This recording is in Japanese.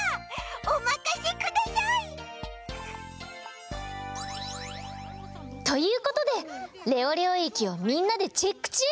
おまかせください！ということでレオレオえきをみんなでチェックちゅう